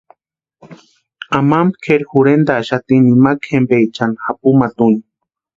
Amampa kʼeri jorhentaaxati nimakwa jempaechani japumata úni.